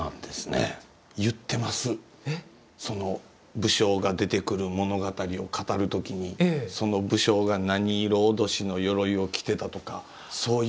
武将が出てくる物語を語る時にその武将が何色おどしの鎧を着てたとかそういえば言ってます。